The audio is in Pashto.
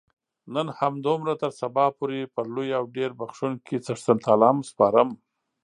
نن همدومره تر سبا پورې پر لوی او ډېر بخښونکي څښتن تعالا مو سپارم.